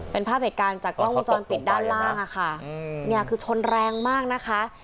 ฯเป็นภาพเหตุการณ์จากวังวุชรันต์ปิดด้านล่างอ่ะค่ะคือชนแรงมากนะคะ